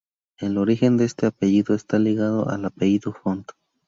El origen de este apellido está ligado al apellido Font.